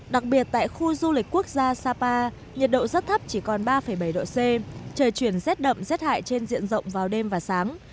đặc biệt tại khu du lịch quốc gia sapa nhiệt độ rất thấp chỉ còn ba bảy độ c trời chuyển rét đậm rét hại trên diện rộng vào đêm và sáng